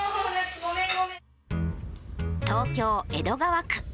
東京・江戸川区。